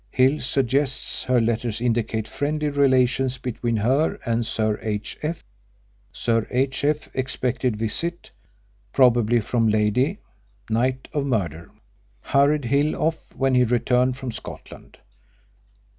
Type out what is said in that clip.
Hill suggests her letters indicate friendly relations between her and Sir H.F. Sir H.F. expected visit, probably from lady, night of murder. Hurried Hill off when he returned from Scotland.